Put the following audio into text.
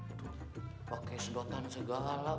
itu pakai sedotan segala